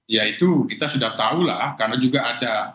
ya itu kita sudah tahu lah karena juga ada